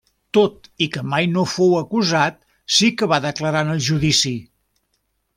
Tot i que mai no fou acusat sí que va declarar en el judici.